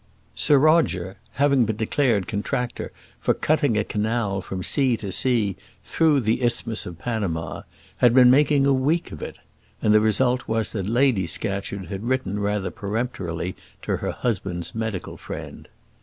Sir Roger having been declared contractor for cutting a canal from sea to sea, through the Isthmus of Panama, had been making a week of it; and the result was that Lady Scatcherd had written rather peremptorily to her husband's medical friend.